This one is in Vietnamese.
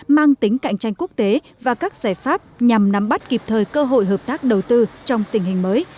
mang tính cạnh tranh quốc tế và các giải pháp nhằm nắm bắt kịp thời cơ hội hợp tác đầu tư trong tình hình mới